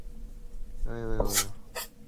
萼片宿存。